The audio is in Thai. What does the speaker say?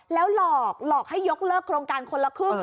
แล้วหลอกหลอกให้ยกเลิกโครงการคนละครึ่ง